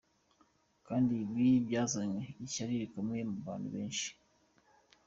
Kandi ibi byazanye ishyari rikomeye mu bantu benshi.